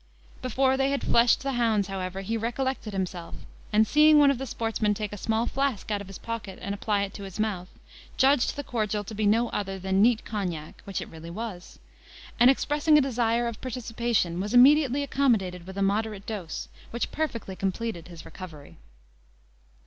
Before they had fleshed the hounds, however, he recollected himself; and, seeing one of the sportsmen take a small flask out of his pocket and apply it to his mouth, judged the cordial to be no other than neat Cognac, which it really was; and expressing a desire of participation, was immediately accommodated with a moderate dose, which perfectly completed his recovery.